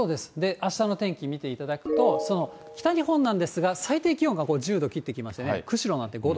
あしたの天気見ていただくと、その北日本なんですが、最低気温がこれ、１０度切ってきましてね、釧路なんて５度。